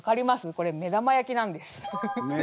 これ目玉焼きなんです。